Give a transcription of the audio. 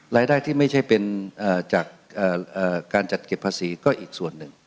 รายได้ที่ไม่ใช่เป็นจากการจัดเก็บภาษีก็อีกส่วนหนึ่ง